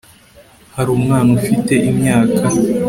hari umwana ufite imyaka